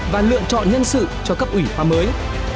và lựa chọn nhân sự cho cấp ủy khoa mới